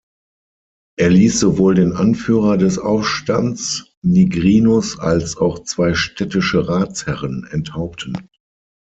Er ließ sowohl den Anführer des Aufstands Nigrinus als auch zwei städtische Ratsherren enthaupten.